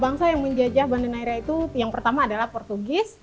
bangsa yang menjajah banda neira itu yang pertama adalah portugis